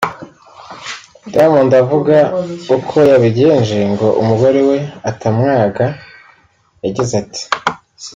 Diamond avuga uko yabigenje ngo umugore we atamwanga yagize ati